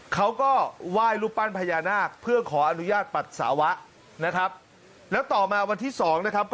เขาก็ว่ายรูปปั้นพญานาค